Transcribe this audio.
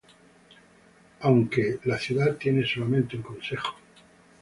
Aunque, la ciudad tiene solamente un consejo.